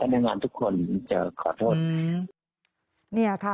พนักงานทุกคนจะขอโทษ